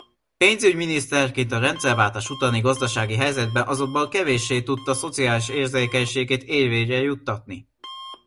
Pénzügyminiszterként a rendszerváltás utáni gazdasági helyzetben azonban kevéssé tudta szociális érzékenységét érvényre juttatni.